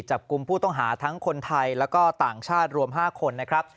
จับกลุ่มผู้ต้องหาทั้งคนไทยแล้วก็ต่างชาติรวม๕คนนะครับ